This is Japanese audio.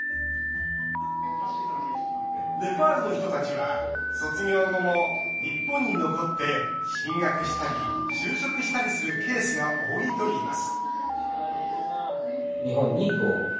ネパールの人たちは卒業後も日本に残って進学したり就職したりするケースが多いといいます